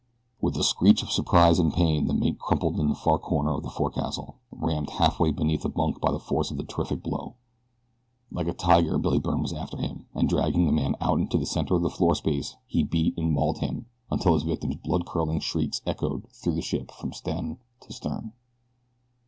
With a screech of surprise and pain the mate crumpled in the far corner of the forecastle, rammed halfway beneath a bunk by the force of the terrific blow. Like a tiger Billy Byrne was after him, and dragging the man out into the center of the floor space he beat and mauled him until his victim's blood curdling shrieks echoed through the ship from stem to stern.